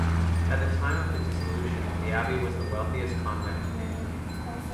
At the time of the dissolution, the abbey was the wealthiest convent in England.